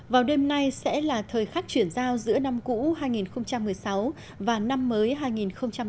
vào đêm nay sẽ là thời khắc chuyển giao giữa năm cũ hai nghìn một mươi sáu và năm mới hai nghìn một mươi chín